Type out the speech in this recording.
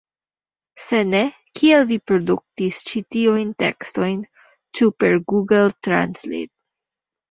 Se ne, kiel vi produktis ĉi tiujn tekstojn, ĉu per Google Translate?